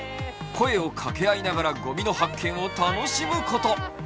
声を掛け合いながら、ゴミの発見を楽しむこと。